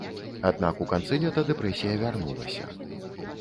Аднак у канцы лета дэпрэсія вярнулася.